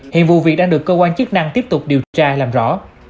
hiện vụ việc đang được cơ quan chức năng tiếp tục điều tra làm rõ